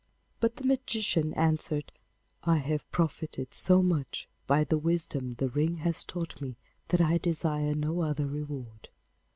But the magician answered, 'I have profited so much by the wisdom the ring has taught me that I desire no other reward.